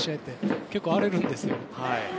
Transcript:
結構荒れるんですよ。